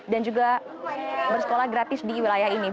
dan juga bersekolah gratis di wilayah ini